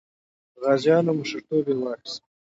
غازیانو مشرتوب یې واخیست.